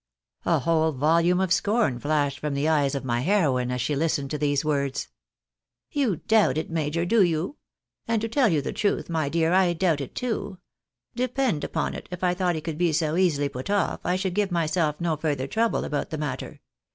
A whole volume of scorn flashed from the eyes of my heroine as she listened to these words. " You doubt it, major, do you ? And to tell you the truth, my dear, I doubt it too. Depend upon it, if I thought he could be so easily put oif, I should give myself no further trouble about the matter.